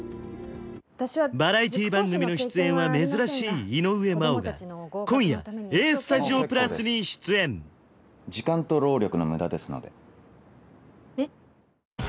バラエティー番組の出演は珍しい井上真央が今夜「ＡＳＴＵＤＩＯ＋」に出演時間と労力の無駄ですのでえっ？